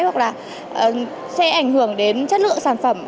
hoặc là sẽ ảnh hưởng đến chất lượng sản phẩm